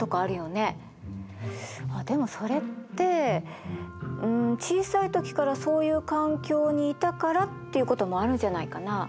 あっでもそれってうん小さい時からそういう環境にいたからっていうこともあるんじゃないかな。